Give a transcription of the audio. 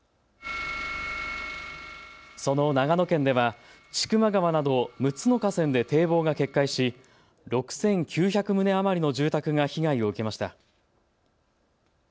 その長野県では千曲川など６つの河川で堤防が決壊し６９００棟余りの住宅が被害を受けました。